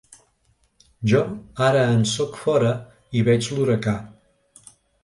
Jo ara en sóc fora i veig l’huracà.